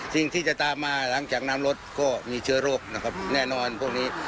สิ่งที่จะตามมาหลังจากน้ำลดก็มีเชื้อโรคนะครับแน่นอนพวกนี้